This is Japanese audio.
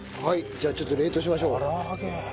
はいじゃあちょっと冷凍しましょう。